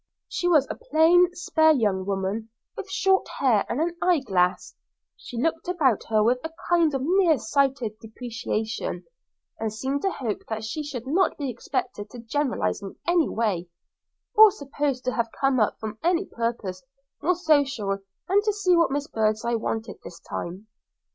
She was a plain, spare young woman, with short hair and an eye glass; she looked about her with a kind of near sighted deprecation, and seemed to hope that she should not be expected to generalise in any way, or supposed to have come up for any purpose more social than to see what Miss Birdseye wanted this time.